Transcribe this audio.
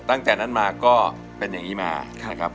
ตั้งแต่นั้นมาก็เป็นอย่างนี้มานะครับ